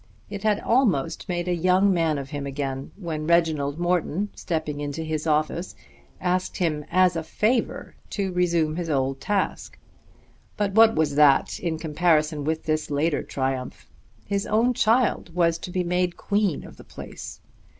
It had almost made a young man of him again when Reginald Morton, stepping into his office, asked him as a favour to resume his old task. But what was that in comparison with this later triumph? His own child was to be made queen of the place!